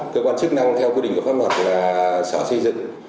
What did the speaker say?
cơ quan chức năng theo quy định của pháp luật là sở xây dựng